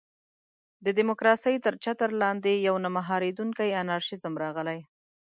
د ډیموکراسۍ تر چتر لاندې یو نه مهارېدونکی انارشېزم راغلی.